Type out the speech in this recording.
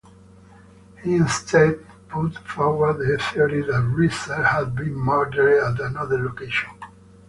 He instead put forward the theory that Reeser had been murdered at another location.